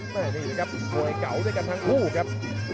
นี่แหละครับมวยเก่าด้วยกันทั้งคู่ครับ